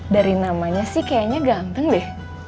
dari namanya sih kayaknya ganteng deh